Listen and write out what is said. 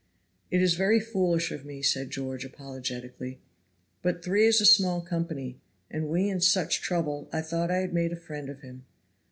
"It is very foolish of me," said George, apologetically, "but three is a small company, and we in such trouble; I thought I had made a friend of him.